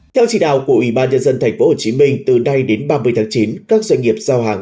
theo chỉ đạo của ủy ban nhân dân tp hcm từ nay đến ba mươi tháng chín các doanh nghiệp giao hàng